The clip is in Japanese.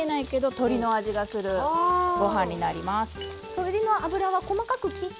鶏の脂は細かく切って。